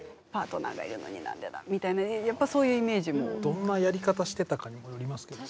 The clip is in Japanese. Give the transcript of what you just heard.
どんなやり方してたかにもよりますけどね。